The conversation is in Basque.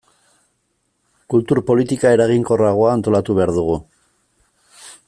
Kultur politika eraginkorragoa antolatu behar dugu.